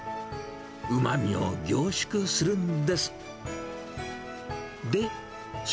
うまみを凝縮するんです。